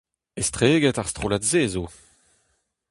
Estreget ar strollad-se zo !